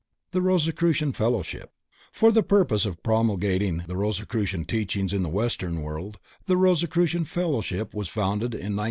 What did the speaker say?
THE ROSICRUCIAN FELLOWSHIP For the purpose of promulgating the Rosicrucian teachings in the Western World, the Rosicrucian Fellowship was founded in 1909.